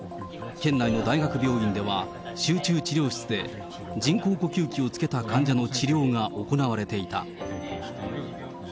県内の大学病院では、集中治療室で人工呼吸器をつけた患者の治療が行われていた。